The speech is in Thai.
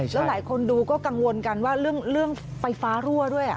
แล้วหลายคนดูก็กังวลกันว่าเรื่องไฟฟ้ารั่วด้วย